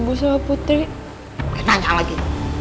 udah nanya lagi